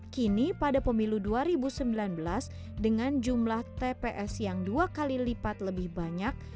kini pada pemilu dua ribu sembilan belas dengan jumlah tps yang dua kali lipat lebih banyak